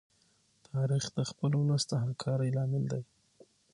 تاریخ د خپل ولس د همکارۍ لامل دی.